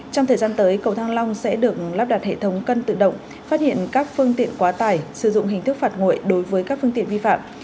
trong thời gian tới cầu thăng long sẽ được lắp đặt hệ thống cân tự động phát hiện các phương tiện quá tải sử dụng hình thức phạt nguội đối với các phương tiện vi phạm